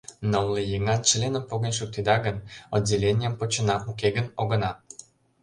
— Нылле еҥан членым поген шуктеда гын, отделенийым почына, уке гын огына...